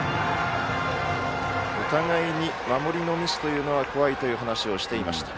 お互いに守りのミスというのが怖いという話をしていました。